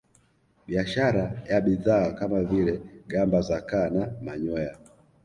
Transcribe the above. Biashara ya bidhaa kama vile gamba za kaa na manyoya